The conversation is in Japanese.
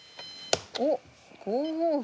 おっ５五歩。